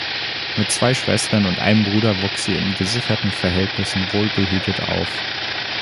Mit zwei Schwestern und einem Bruder wuchs sie in gesicherten Verhältnissen wohlbehütet auf.